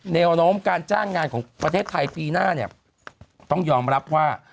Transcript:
แนวโน้มการจ้างงานของประเทศไทยปีหน้าเนี่ยต้องยอมรับว่า